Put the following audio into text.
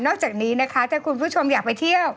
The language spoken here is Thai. จากนี้นะคะถ้าคุณผู้ชมอยากไปเที่ยว